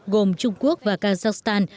gồm trung quốc và kazakhstan